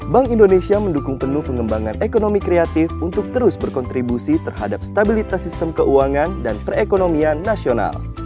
bank indonesia mendukung penuh pengembangan ekonomi kreatif untuk terus berkontribusi terhadap stabilitas sistem keuangan dan perekonomian nasional